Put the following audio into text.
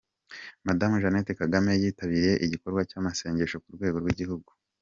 Madamu janete Kagame yitabiriye igikorwa cy’amasengesho ku rwego rw’igihugu